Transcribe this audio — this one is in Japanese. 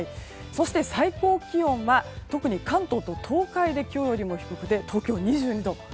そして、最高気温は特に関東と東海で今日よりも低くて東京２２度。